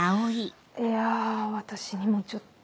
いや私にもちょっと。